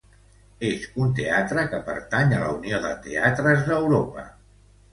És un teatre que pertany a la Unió de Teatres d'Europa.